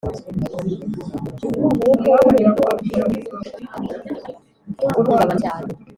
Zitatuma uhungabana cyane.